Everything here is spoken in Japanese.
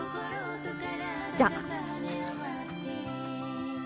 じゃあ。